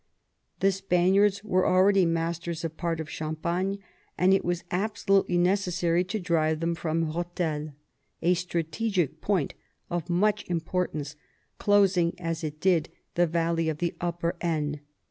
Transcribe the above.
The Spaniards were already masters of part of Champagne, and it was absolutely necessary to drive them from Eethel — a strategic point of much importance, closing as it did the valley of the Upper Aisne.